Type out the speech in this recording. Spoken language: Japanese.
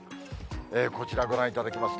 こちらご覧いただきます。